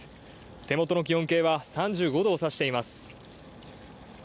手元の気温計は３５度を指しています。